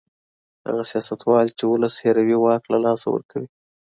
هغه سياستوال چي ولس هېروي واک له لاسه ورکوي.